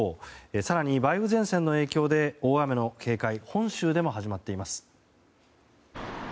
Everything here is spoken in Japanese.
更に梅雨前線の影響で大雨の警戒が本州でも始まっています。